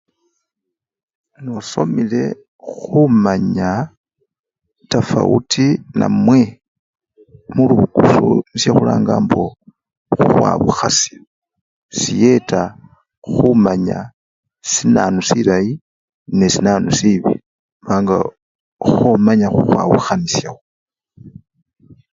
Nosomele khumanya tafauti namwe khukhwawukhasha siyeta khumanya sinanu silayi ne sinanu sibii khubanga khomanya khukhwawukhanishawo.